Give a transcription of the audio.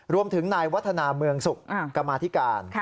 รวมถึงนายวัฒนาเมืองสุขกรรมาธิการ